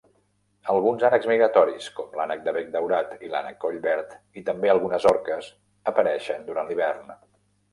Alguns ànecs migratoris, com l'ànec de bec daurat i l'ànec collverd i també algunes oques apareixen durant l'hivern.